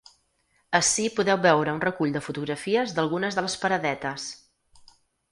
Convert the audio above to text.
Ací podeu veure un recull de fotografies d’algunes de les paradetes.